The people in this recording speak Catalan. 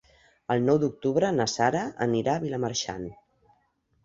El nou d'octubre na Sara anirà a Vilamarxant.